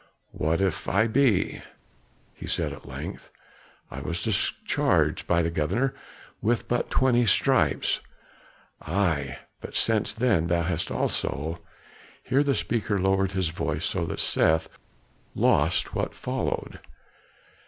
"What if I be?" he said at length. "I was discharged by the governor with but twenty stripes." "Ay, but since then thou hast also " here the speaker lowered his voice so that Seth lost what followed.